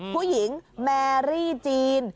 ผู้หญิงแมรี่จีน